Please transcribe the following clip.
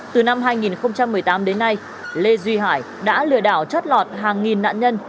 từ năm hai nghìn một mươi tám đến nay lê duy hải đã lừa đảo chót lọt hàng nghìn nạn nhân